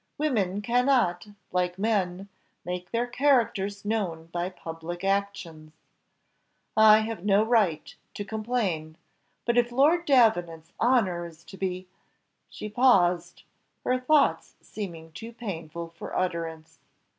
Women cannot, like men, make their characters known by public actions. I have no right to complain; but if Lord Davenant's honour is to be " She paused; her thoughts seeming too painful for utterance.